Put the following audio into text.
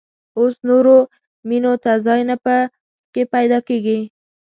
اوس نورو مېنو ته ځای نه په کې پيدا کېږي.